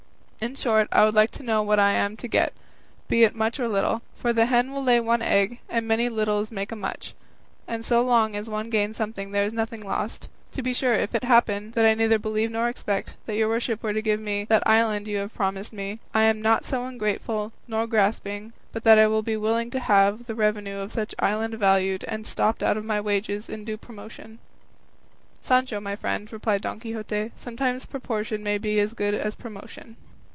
In short, I would like to know what I am to get, be it much or little; for the hen will lay on one egg, and many littles make a much, and so long as one gains something there is nothing lost. To be sure, if it should happen (what I neither believe nor expect) that your worship were to give me that island you have promised me, I am not so ungrateful nor so grasping but that I would be willing to have the revenue of such island valued and stopped out of my wages in due promotion." "Sancho, my friend," replied Don Quixote, "sometimes proportion may be as good as promotion."